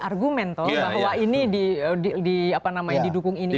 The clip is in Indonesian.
argumen tuh bahwa ini didukung ini